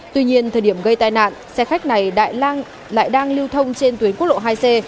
tuy nhiên thời điểm gây tai nạn xe khách này đại lại đang lưu thông trên tuyến quốc lộ hai c